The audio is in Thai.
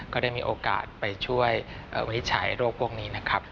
ก็ได้มีโอกาสไปช่วยวินิจฉัยโรคพวกนี้นะครับ